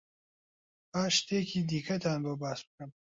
با شتێکی دیکەتان بۆ باس بکەم.